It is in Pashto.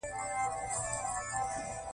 د واورئ برخه کې حتما ګډون وکړئ.